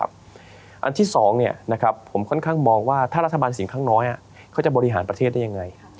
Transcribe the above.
อันที่๒ผมค่อนข้างมองว่าถ้ารัฐบาลเสียงข้างน้อยเขาจะบริหารประเทศได้ยังไง